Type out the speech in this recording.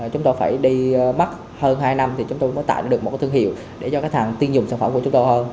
chúng tôi phải đi mắc hơn hai năm thì chúng tôi mới tạo được một cái thương hiệu để cho khách hàng tiên dùng sản phẩm của chúng tôi hơn